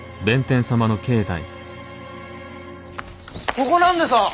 ここなんでさあ。